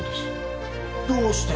どうして？